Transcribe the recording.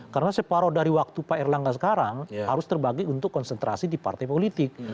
karena separoh dari waktu pak erlangga sekarang harus terbagi untuk konsentrasi di partai politik